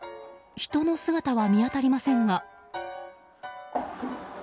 人の姿は見当たりませんが。